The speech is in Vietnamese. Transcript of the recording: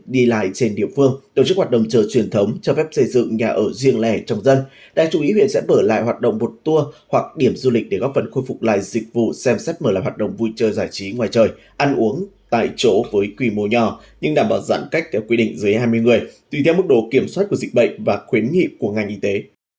hãy đăng ký kênh để ủng hộ kênh của chúng mình nhé